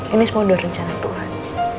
ini semua udah rencana tuhan